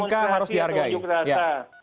mengenai demonstrasi atau unjuk rasa